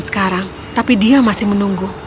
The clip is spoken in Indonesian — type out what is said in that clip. sekarang tapi dia masih menunggu